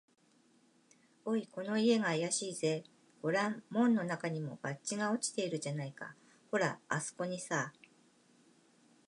「おい、この家があやしいぜ。ごらん、門のなかにも、バッジが落ちているじゃないか。ほら、あすこにさ」